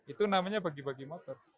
itu namanya bagi bagi motor